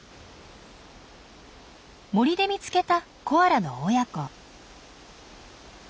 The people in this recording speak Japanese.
森で見つけたコアラの親子。